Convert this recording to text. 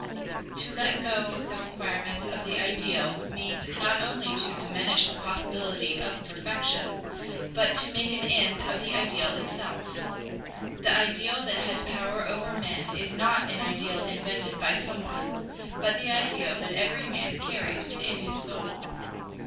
To let go the requirements of the ideal means not only to diminish the possibility of perfection, but to make an end of the ideal itself. The ideal that has power over men is not an ideal invented by someone, but the ideal that every man carries within his soul.